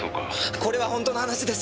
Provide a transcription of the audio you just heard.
これは本当の話です。